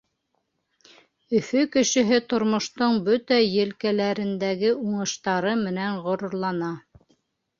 Өфө кешеһе тормоштоң бөтә елкәләрендәге уңыштары менән ғорурлана.